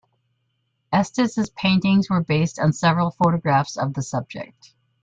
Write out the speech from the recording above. Estes's paintings were based on several photographs of the subject.